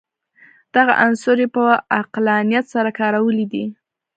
دغه عنصر یې په عقلانیت سره کارولی دی.